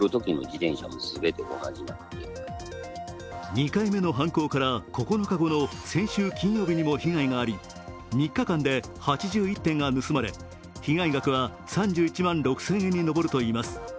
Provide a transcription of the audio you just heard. ２回目の犯行から９日後の先週金曜日にも被害があり３日間で８１点が盗まれ、被害額は３１万６０００円に上るといいます。